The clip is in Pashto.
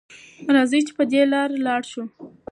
راځئ چې په دې لاره لاړ شو.